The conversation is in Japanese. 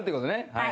はい。